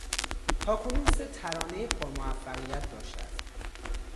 تاکنون سه ترانهی پر موفقیت داشته است.